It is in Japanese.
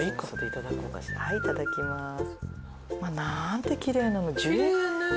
いただきます。